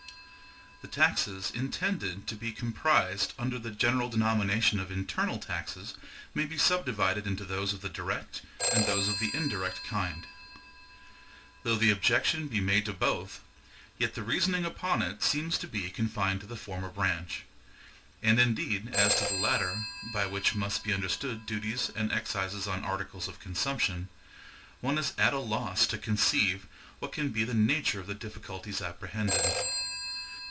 The taxes intended to be comprised under the general denomination of internal taxes may be subdivided into those of the DIRECT and those of the INDIRECT kind. Though the objection be made to both, yet the reasoning upon it seems to be confined to the former branch. And indeed, as to the latter, by which must be understood duties and excises on articles of consumption, one is at a loss to conceive what can be the nature of the difficulties apprehended.